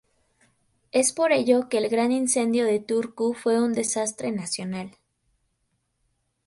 Es por ello que el Gran Incendio de Turku fue un desastre nacional.